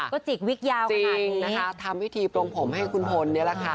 ก็จิกวิกยาวขนาดนี้นะคะทำพิธีปลงผมให้คุณพลนี่แหละค่ะ